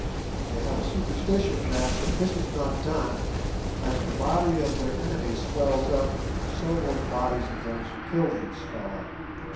They have a superstition that, if this is not done, as the body of their enemy swells up so will the bodies of those who killed him swell up.